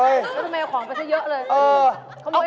ิบวิ่งในของไปเยอะเลย